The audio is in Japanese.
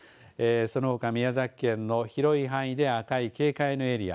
そのほか宮崎県の広い範囲で赤い警戒のエリア